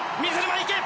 水沼、いけ！